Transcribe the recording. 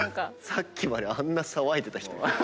さっきまであんな騒いでた人が。